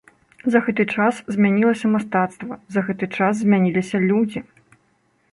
За гэты час змянілася мастацтва, за гэты час змяніліся людзі.